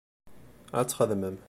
Ad texdem.